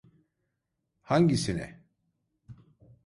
Hangisine?